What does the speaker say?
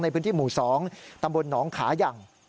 ในพื้นที่หมู่สองตำรวจน้องขายัง